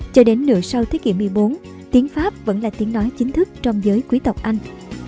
cho đến nửa sau thế kỷ một mươi bốn tiếng pháp vẫn là tiếng nói chính thức trong giới quý tộc anh